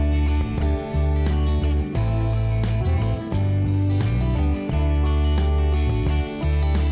hẹn gặp lại